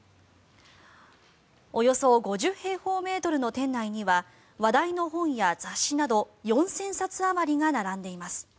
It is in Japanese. およそ５０平方メートルの店内には話題の本や雑誌など４０００冊あまりが並んでいます。